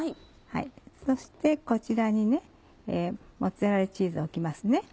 そしてこちらにモッツァレラチーズ置きますね。